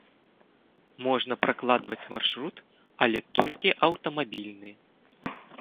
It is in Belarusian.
Можна пракладваць маршрут, але толькі аўтамабільны.